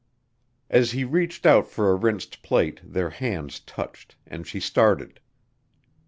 As he reached out for a rinsed plate their hands touched and she started.